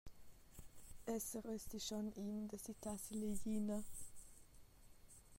Esser eis ti schon in da sittar silla glina.